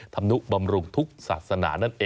ธรรมนุบำรุงทุกษะสถานะ